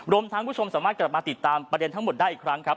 รวมทั้งผู้ชมสามารถกลับมาติดตามประเด็นทั้งหมดได้อีกครั้งครับ